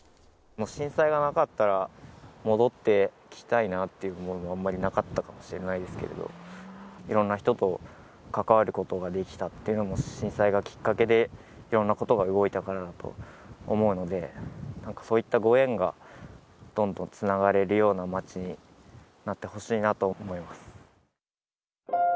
震災がなかったら、戻ってきたいなっていう思いもあんまりなかったかもしれないですけれども、いろんな人と関わることができたっていうのも震災がきっかけで、いろんなことが動いたからだと思うので、なんかそういったご縁がどんどんつながれるような町になってほしいなと思います。